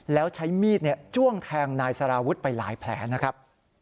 แล้วใช้มีดจ้วงแทงนายสารวุฒิไปหลายแผลนะครับ